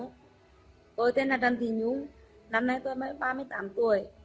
tôi tên là trần thị nhung năm nay tôi mới ba mươi tám tuổi